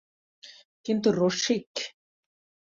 কিন্তু– রসিক।